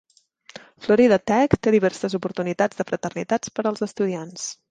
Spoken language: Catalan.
Florida Tech té diverses oportunitats de fraternitats per als estudiants.